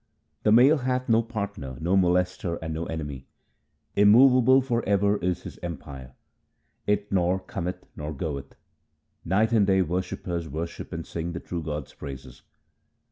The Male hath no partner, no molester, and no enemy. Immovable for ever is His empire ; it nor cometh nor goeth. Night and day worshippers worship and sing the true God's praises.